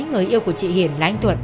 người yêu của chị hiền là anh tuận